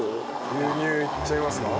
牛乳いっちゃいますか？